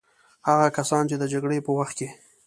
هغه کسان چې د جګړې په وخت کې.